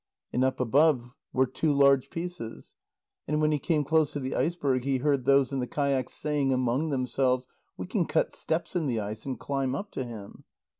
And up above were two large pieces. And when he came close to the iceberg, he heard those in the kayaks saying among themselves: "We can cut steps in the ice, and climb up to him."